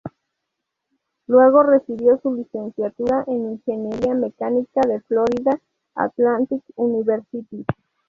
Luego recibió su licenciatura en Ingeniería mecánica de Florida Atlantic University.